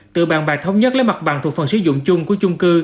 tự bàn bạc thống nhất lấy mặt bằng thuộc phần sử dụng chung của chung cư